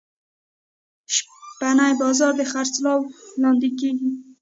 شپنۍ بازۍ د څراغو لانديکیږي.